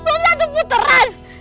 belum satu puteran